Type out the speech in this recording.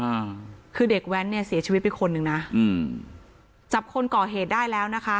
อ่าคือเด็กแว้นเนี่ยเสียชีวิตไปคนหนึ่งนะอืมจับคนก่อเหตุได้แล้วนะคะ